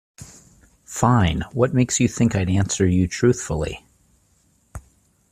Fine, what makes you think I'd answer you truthfully?